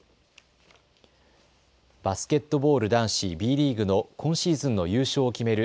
バスケットボール男子Ｂリーグの今シーズンの優勝を決める